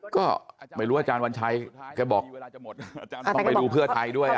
ก็ไม่รู้อาจารย์วัญชัยแกบอกต้องไปดูเพื่อไทยด้วย